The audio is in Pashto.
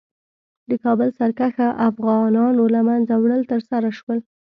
د کابل سرکښه افغانانو له منځه وړل ترسره شول.